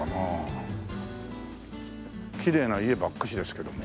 きれいな家ばっかしですけども。